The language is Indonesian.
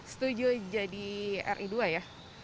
setuju jadi ri dua ya